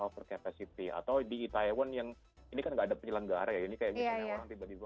over capacity atau di itaewon yang ini kan nggak ada penyelenggara ya ini kayak misalnya orang tiba tiba